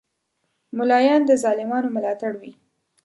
مولایان د ظالمانو ملاتړ وی